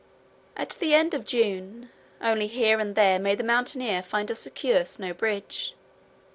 At the end of June only here and there may the mountaineer find a secure snow bridge.